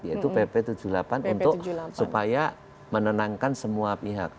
yaitu pp tujuh puluh delapan untuk supaya menenangkan semua pihak